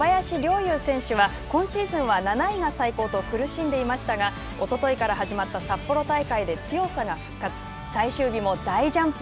侑選手は今シーズンは７位が最高と苦しんでいましたがおとといから始まった札幌大会で強さが復活。